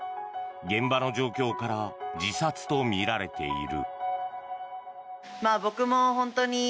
現場の状況から自殺とみられている。